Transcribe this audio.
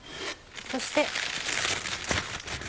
そして。